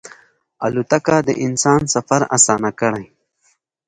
الوتکه د انسان سفر اسانه کړی.